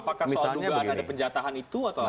apakah soal dugaan ada penjatahan itu atau